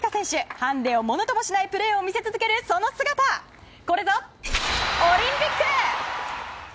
ハンデをものともしないところを見せ続けるその姿これぞオリンピック！